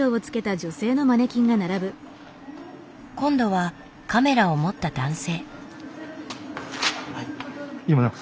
今度はカメラを持った男性。